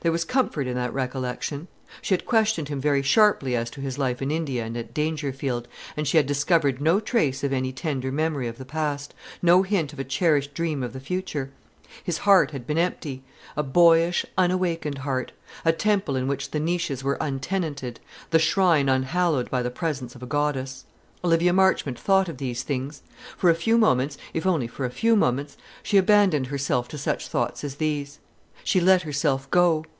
There was comfort in that recollection. She had questioned him very sharply as to his life in India and at Dangerfield, and she had discovered no trace of any tender memory of the past, no hint of a cherished dream of the future. His heart had been empty: a boyish, unawakened heart: a temple in which the niches were untenanted, the shrine unhallowed by the presence of a goddess. Olivia Marchmont thought of these things. For a few moments, if only for a few moments, she abandoned herself to such thoughts as these. She let herself go.